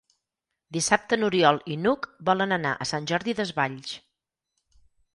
Dissabte n'Oriol i n'Hug volen anar a Sant Jordi Desvalls.